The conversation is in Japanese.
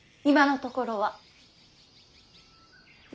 今のところ？